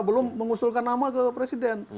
belum mengusulkan nama ke presiden